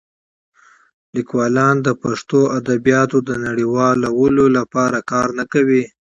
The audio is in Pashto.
لیکوالان د پښتو ادبیاتو د نړیوالولو لپاره کار نه کوي.